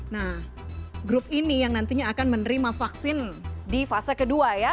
nah grup ini yang nantinya akan menerima vaksin di fase kedua ya